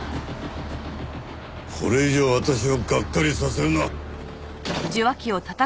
これ以上私をがっかりさせるな。